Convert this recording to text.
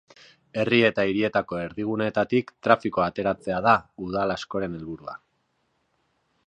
Herri eta hirietako erdiguneetatik trafikoa ateratzea da udal askoren helburua.